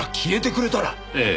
ええ。